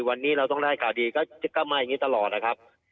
วันนี้เราต้องได้ข่าวดีก็มาอย่างนี้ตลอดนะครับ